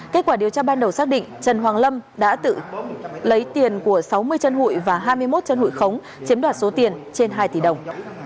kết quả điều tra ban đầu xác định trần hoàng lâm đã tự lấy tiền của sáu mươi chân hụi và hai mươi một chân hụi khống chiếm đoạt số tiền trên hai tỷ đồng